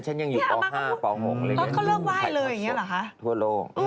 จริงหรอ